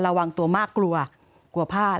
ระวังตัวมากกลัวกลัวพลาด